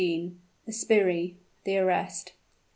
THE SBIRRI THE ARREST.